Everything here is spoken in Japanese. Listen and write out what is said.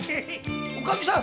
おかみさん！